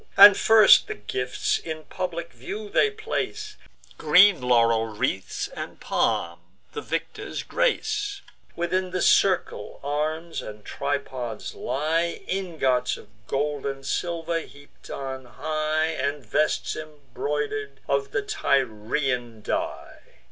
And first the gifts in public view they place, Green laurel wreaths, and palm, the victors' grace: Within the circle, arms and tripods lie, Ingots of gold and silver, heap'd on high, And vests embroider'd, of the Tyrian dye.